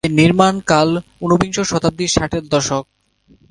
এর নির্মাণ কাল ঊনবিংশ শতাব্দীর ষাটের দশক।